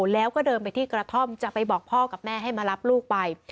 แล้วก็เดินไปที่กระท่อมจะไปบอกพ่อกับแม่ให้มารับลูกไป